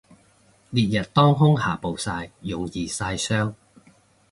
烈日當空下暴曬容易曬傷